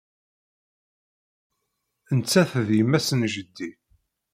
Nettat d yemma-s n jeddi.